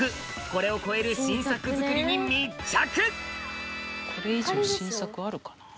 これを超える新作づくりに密着！